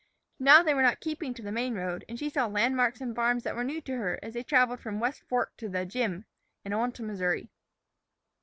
Now they were not keeping to the main road, and she saw landmarks and farms that were new to her as they traveled from the West Fork to the "Jim," and on to the Missouri.